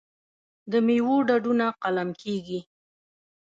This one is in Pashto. د میوو ډډونه قلم کیږي.